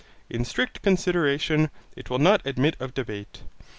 In strict consideration it will not admit of debate.